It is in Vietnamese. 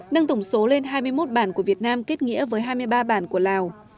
nâng tổng số lên hai mươi một bản của việt nam kết nghĩa với hai mươi ba bản của lào